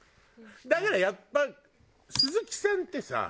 だからやっぱ鈴木さんってさ。